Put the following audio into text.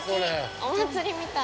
お祭りみたい。